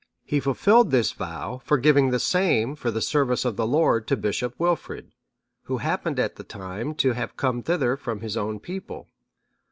He fulfilled this vow by giving the same for the service of the Lord to Bishop Wilfrid, who happened at the time to have come thither from his own people.